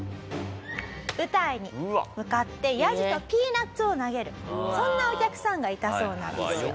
舞台に向かってヤジとピーナッツを投げるそんなお客さんがいたそうなんですよ。